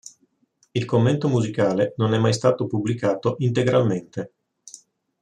Il commento musicale non è mai stato pubblicato integralmente.